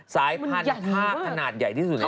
สายพันธุ์ทากขนาดใหญ่ที่สุดในโลก